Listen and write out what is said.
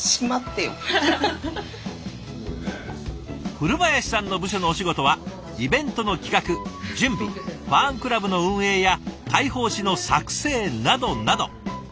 古林さんの部署のお仕事はイベントの企画準備ファンクラブの運営や会報誌の作成などなど。